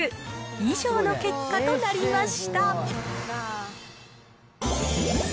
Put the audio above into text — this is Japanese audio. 以上の結果となりました。